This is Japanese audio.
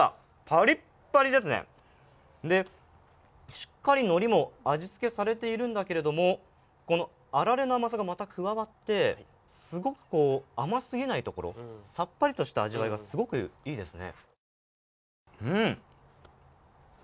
しっかりのりも味付けされているんだけれどもこのあられの甘さがまた加わって、すごく甘すぎないところ、さっぱりとした味わいがすごくいいですね。